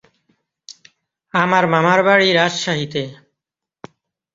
আমার মামার বাড়ি রাজশাহীতে।